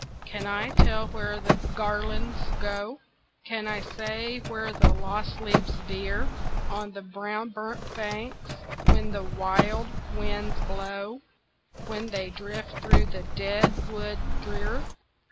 can I tell where the garlands go? Can I say where the lost leaves veer On the brown burnt banks, when the wild winds blow, When they drift through the dead wood drear?